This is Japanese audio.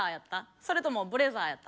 それともブレザーやった？